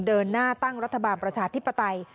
เดินหน้าตั้งรัฐบาลประชาธิปไตย